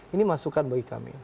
ini masukan bagi kami